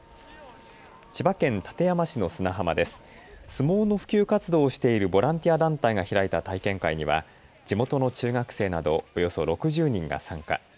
相撲の普及活動をしているボランティア団体が開いた体験会には地元の中学生などおよそ６０人が参加。